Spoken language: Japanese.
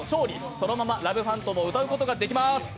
そのまま「ＬＯＶＥＰＨＡＮＴＯＭ」を歌うことができます。